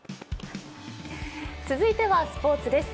続いてはスポーツです。